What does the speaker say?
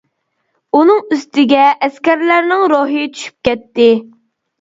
ئۇنىڭ ئۈستىگە، ئەسكەرلەرنىڭ روھى چۈشۈپ كەتتى.